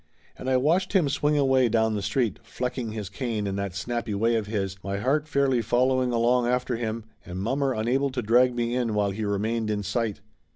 And I watched him swing away down the street, flecking his cane in that snappy way of his, my heart fairly following along after him, and mommer unable to drag me in while he remained in sight.